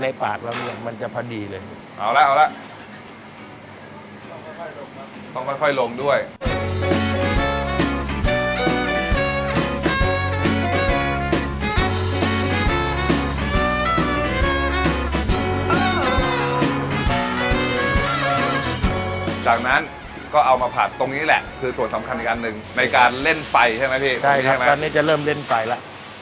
ในการเล่นไฟใช่ไหมพี่ใช่ครับตอนนี้จะเริ่มเล่นไฟละ